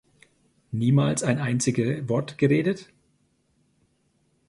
Niemals ein einzige Wort geredet?